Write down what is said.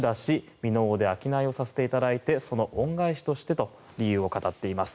箕面で商いをさせていただいてその恩返しとしてと理由を語っています。